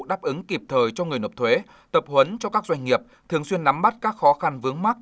đáp ứng kịp thời cho người nộp thuế tập huấn cho các doanh nghiệp thường xuyên nắm bắt các khó khăn vướng mắt